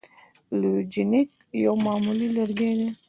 لوژینګ یو معمولي لرګی دی.